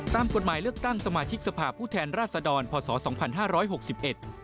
ตามกฎหมายเลือกตั้งสมาชิกสภาพผู้แทนราษฎรพศ๒๕๖๑